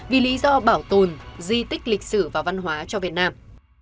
vì lý do bảo tồn di tích lịch sử và văn hóa cho việt nam